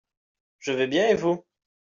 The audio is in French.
Je vais bien et vous ?